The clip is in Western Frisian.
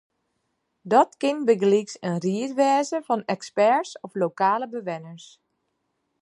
Dat kin bygelyks in ried wêze fan eksperts of lokale bewenners.